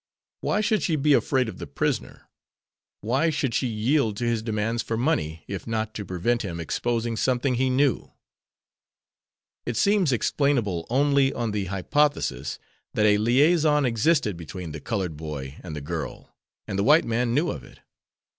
Why should she be afraid of the prisoner! Why should she yield to his demands for money if not to prevent him exposing something he knew! It seems explainable only on the hypothesis that a liaison existed between the colored boy and the girl, and the white man knew of it.